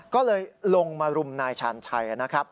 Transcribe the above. ก็เลยลงมารุมนายชาญชัยนะครับ